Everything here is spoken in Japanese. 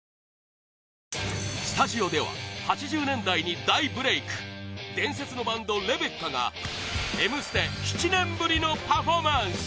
スタジオでは８０年代に大ブレーク伝説のバンドＲＥＢＥＣＣＡが「Ｍステ」７年ぶりのパフォーマンス